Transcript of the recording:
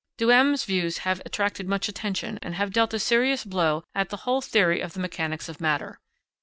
Duhem's views have attracted much attention, and have dealt a serious blow at the whole theory of the mechanics of matter.